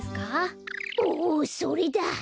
おそれだ！